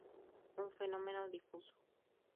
Un fenómeno Difuso.